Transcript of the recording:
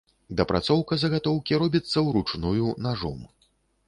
Дапрацоўка загатоўкі робіцца ўручную, нажом.